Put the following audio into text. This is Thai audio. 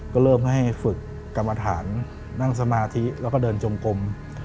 ก็เริ่มให้ฝึกกรรมฐานนั่งสมาธิแล้วก็เดินจงกลม